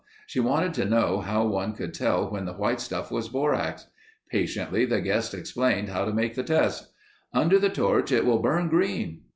She wanted to know how one could tell when the white stuff was borax. Patiently the guest explained how to make the tests: "Under the torch it will burn green...."